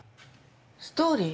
ストーリー？